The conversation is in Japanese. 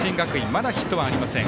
まだヒットがありません。